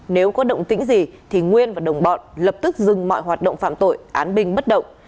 nếu có động tĩnh gì thì nguyên và đồng bọn lập tức dừng mọi hoạt động phạm tội án binh bất động